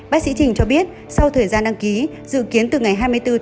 bác sĩ trình cho biết sau thời gian đăng ký dự kiến từ ngày hai mươi bốn một mươi hai